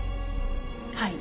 はい。